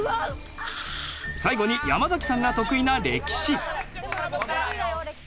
最後に山崎さんが得意な歴史。